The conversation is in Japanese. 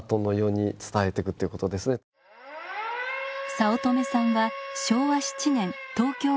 早乙女さんは昭和７年東京生まれ。